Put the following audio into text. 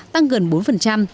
tăng gần bốn